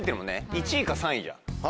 １位か３位じゃん。